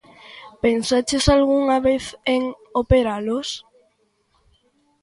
_¿Pensaches algunha vez en operalos?